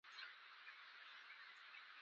ما د شنختې متن ور وسپاره.